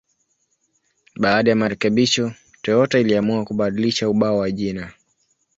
Baada ya marekebisho, Toyota iliamua kubadilisha ubao wa jina.